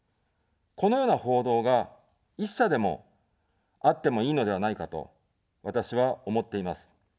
このような報道が１社でもあってもいいのではないかと、私は思っています。